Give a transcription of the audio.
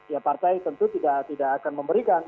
ya partai tentu tidak akan memberikan